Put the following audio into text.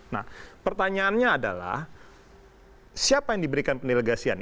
nah pertanyaannya adalah siapa yang diberikan pendelegasian